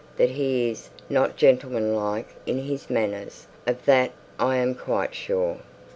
That he is not gentleman like in his manners, of that I am quite sure.'